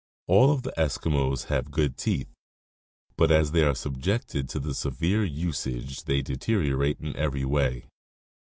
All of the Eskimos have good teeth, but as they are subjected to severe usage they deteriorate in every way.